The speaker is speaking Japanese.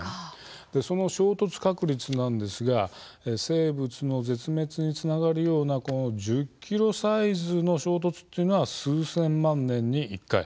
その衝突確率ですが生物の絶滅につながるような１０ｋｍサイズの衝突は数千万年に１回。